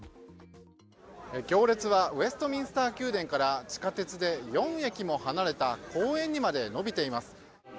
行列はウェストミンスター宮殿から地下鉄で４駅も離れた公園にまで延びています。